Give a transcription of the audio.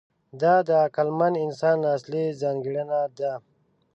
دا د عقلمن انسان اصلي ځانګړنه ده.